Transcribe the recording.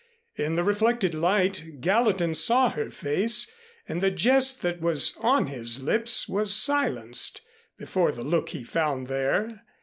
In the reflected light Gallatin saw her face and the jest that was on his lips was silenced before the look he found there.